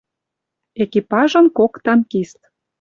Экипажын кок танкист.